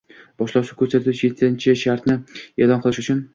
Boshlovchi ko‘rsatuvni yetinchi shartini e’lon qilish uchun